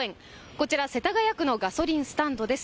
こちら世田谷区のガソリンスタンドです。